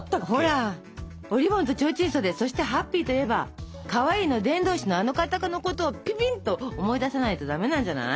ほら「おりぼんとちょうちん袖」そして「ＨＡＰＰＹ」といえばかわいいの伝道師のあの方のことをピピンと思い出さないとダメなんじゃない？